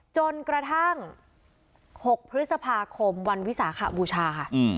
จนกระทั่ง๖พฤษภาคมวันวิสาขบูชาค่ะ